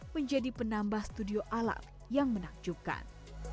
menjadi penambah studio alam yang menakjubkan